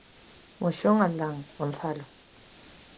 Moxón Aldán, Gonzalo.